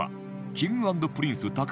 Ｋｉｎｇ＆Ｐｒｉｎｃｅ 橋